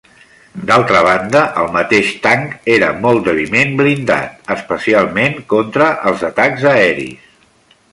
D'altra banda el mateix tanc era molt dèbilment blindat, especialment contra els atacs aeris.